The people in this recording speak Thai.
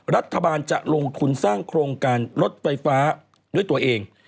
รัฐบาลจะลงทุนสร้างโครงการรถไฟฟ้าด้วยตัวเอง